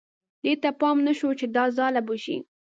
دې ته یې پام نه شو چې دا ځاله به شي.